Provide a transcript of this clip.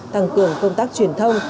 tăng cường công tác truyền thông